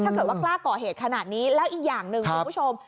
ถ้าเกิดว่ากล้าก่อเหตุขนาดนี้แล้วอีกอย่างหนึ่งคุณผู้ชม